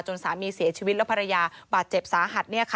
สามีเสียชีวิตและภรรยาบาดเจ็บสาหัส